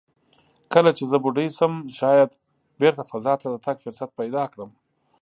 کله چې زه بوډۍ شم، شاید بېرته فضا ته د تګ فرصت پیدا کړم."